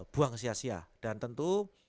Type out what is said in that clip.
buang sia sia dan tentu